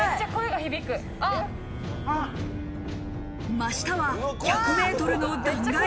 真下は１００ｍの断崖。